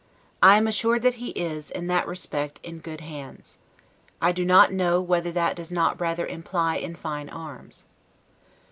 I am assured that he is, in that respect, in good hands. I do not know whether that does not rather imply in fine arms."